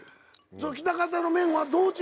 喜多方の麺はどう違うの？